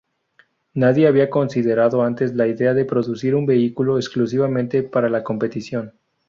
Nadie había considerado antes la idea de producir un vehículo exclusivamente para la competición.